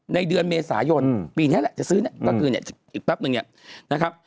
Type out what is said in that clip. ในเดือนเมษายนปีนี้แหละจะซื้อเนี่ยก็คือเนี่ยอีกแป๊บนึงเนี่ยนะครับ